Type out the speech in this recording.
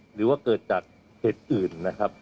หรือว่าเกิดจากเหตุอื่นนะครับ